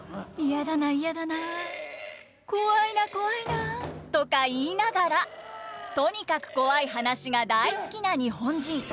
「嫌だな嫌だなコワいなコワいな」とか言いながらとにかくコワい話が大好きな日本人。